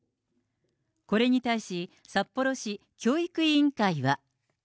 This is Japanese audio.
これに対し、札幌市教育委員会は。